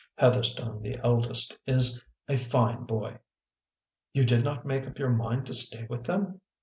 Heatherstone, the eldest, is a fine boy." " You did not make up your mind to stay with them?